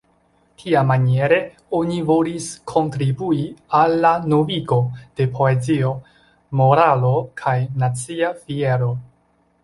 Tiamaniere oni volis kontribui al la novigo de poezio, moralo kaj nacia fiero.